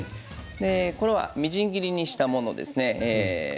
みじん切りにしたものですね。